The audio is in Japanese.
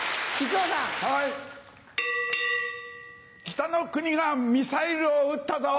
北の国がミサイルを撃ったぞ。